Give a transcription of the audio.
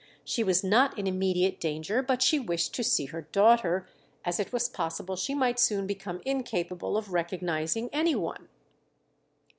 She was not in immediate danger, but she wished to see her daughter, "as it was possible she might soon become incapable of recognizing any one."